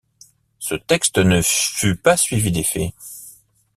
Ce texte ne fut pas suivi d'effet.